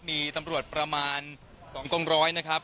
มีตำรวจประมาณ๒กองร้อยนะครับ